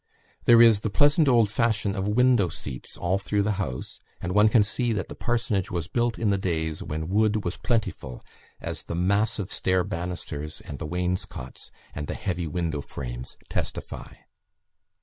There is the pleasant old fashion of window seats all through the house; and one can see that the parsonage was built in the days when wood was plentiful, as the massive stair banisters, and the wainscots, and the heavy window frames testify.